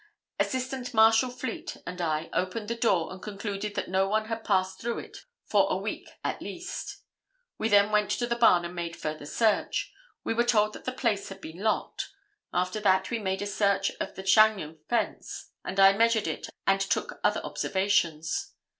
Assistant Marshal Fleet and I opened the door and concluded that no one had passed through it for a week at least. We then went to the barn and made further search. We were told that the place had been locked. After that, we made search of the Chagnon fence, and I measured it and took other observations.